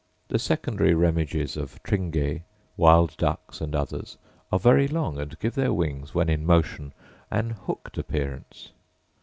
The secondary rerniges of tringae, wild ducks, and some others, are very long, and give their wings, when in motion, an hooked appearance.